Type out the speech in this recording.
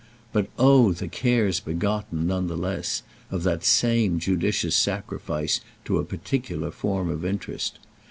But oh the cares begotten, none the less, of that same "judicious" sacrifice to a particular form of interest!